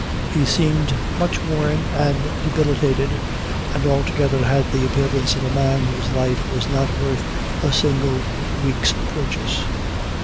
He seemed much worn and debilitated, and altogether had the appearance of a man whose life was not worth a single week's purchase.